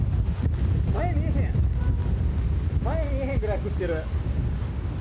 前見えへん、前見えへんぐらい降ってる！